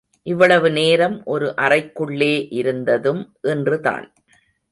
இவ்வளவு நேரம் ஒரு அறைக்குள்ளே இருந்ததும் இன்று தான்.